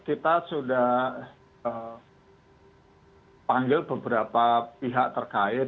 kita sudah panggil beberapa pihak terkait